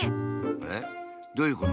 えっどういうこと？